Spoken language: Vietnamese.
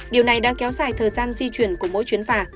điều này đã kéo dài thời gian di chuyển của mỗi chuyến phà